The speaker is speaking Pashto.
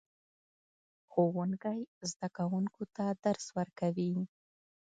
ښوونکی زده کوونکو ته درس ورکوي